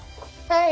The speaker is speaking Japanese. はい。